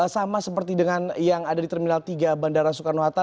sama seperti dengan yang ada di terminal tiga bandara soekarno hatta